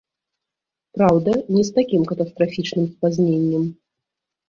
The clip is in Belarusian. Праўда, не з такім катастрафічным спазненнем.